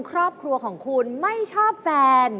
ครอบครัวของคุณไม่ชอบแฟน